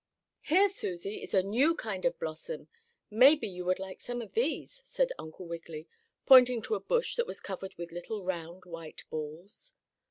"Here, Susie, is a new kind of blossom. Maybe you would like some of these," said Uncle Wiggily, pointing to a bush that was covered with little round, white balls.